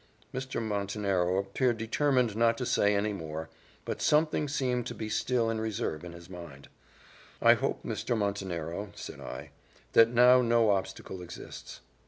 Mr. Montenero appeared determined not to say any more, but something seemed to be still in reserve in his mind. "I hope, Mr. Montenero," said I, "that now no obstacle exists."